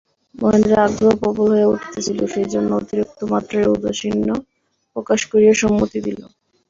মহেন্দ্রের আগ্রহ প্রবল হইয়া উঠিতেছিল–সেইজন্য অতিরিক্ত মাত্রায় ঔদাসীন্য প্রকাশ করিয়া সম্মতি দিল।